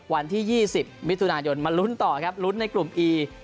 วันที่๒๐มิถุนายนมาลุ้นต่อครับลุ้นในกลุ่มอี